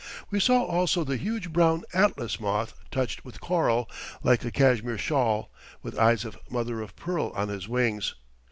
We saw also the huge brown Atlas moth touched with coral, like a cashmere shawl, with eyes of mother of pearl on his wings.